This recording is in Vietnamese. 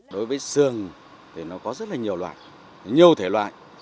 đối với sường thì nó có rất là nhiều loại nhiều thể loại